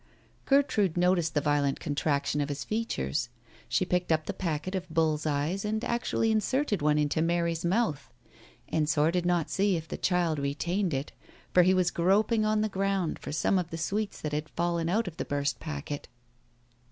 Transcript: Gertrude noticed the violent contraction of his features. She picked up the packet of bull's eyes, and actually inserted one into Mary's mouth. Ensor did not see if the child retained it, for he was groping on the ground for some of the sweets that had fallen out of the burst packet.